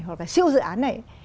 hoặc là siêu dự án này